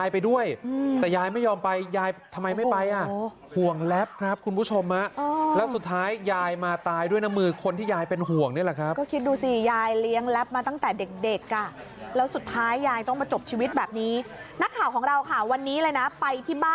ไปที่บ้านหลังนี้นี่แหละ